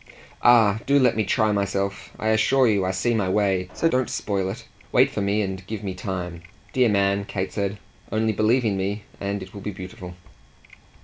"Ah do let me try myself! I assure you I see my way so don't spoil it: wait for me and give me time. Dear man," Kate said, "only believe in me, and it will be beautiful."